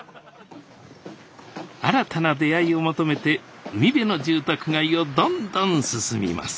新たな出会いを求めて海辺の住宅街をどんどん進みます